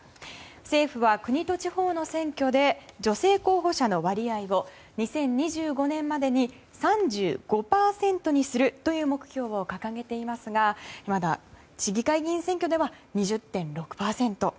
政府は、国と地方の選挙で女性候補者の割合を２０２５年までに３５％にするという目標を掲げていますがまだ市議会議員選挙では２０．６％。